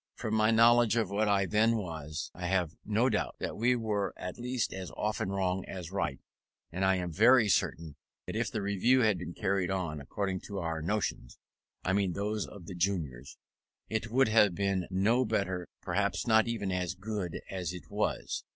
From my knowledge of what I then was, I have no doubt that we were at least as often wrong as right; and I am very certain that if the Review had been carried on according to our notions (I mean those of the juniors), it would have been no better, perhaps not even so good as it was.